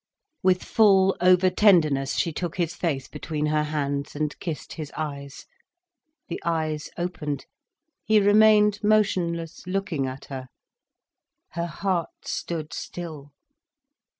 With full over tenderness she took his face between her hands, and kissed his eyes. The eyes opened, he remained motionless, looking at her. Her heart stood still.